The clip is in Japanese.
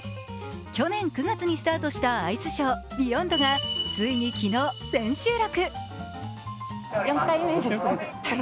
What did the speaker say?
去年９月にスタートしたアイスショー「ＢＥＹＯＮＤ」がついに昨日、千秋楽。